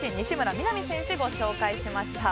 弥菜美選手をご紹介しました。